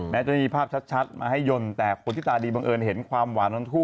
จะมีภาพชัดมาให้ยนต์แต่คนที่ตาดีบังเอิญเห็นความหวานของทั่ว